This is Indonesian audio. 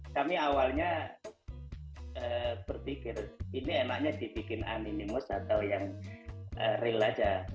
kami awalnya berpikir ini enaknya dibikin animus atau yang real saja